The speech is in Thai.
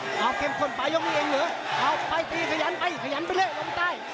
เอาเข้มข้นปลายยกนี้เองเหรอเอาไปตีขยันไปขยันไปเรื่อยลมใต้